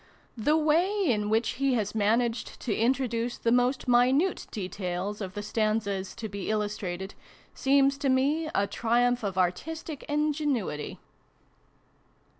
The way, in which he has managed to introduce the most minute details of the stanzas to be illustrated, seems to me a triumph of artistic ingenuity.